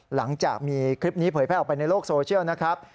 หลังจากมีคลิปนี้เผยแพร่ออกไปในโลกโซเชียลนะครับ